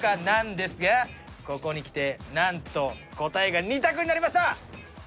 なんですがここに来てなんと答えが二択になりました。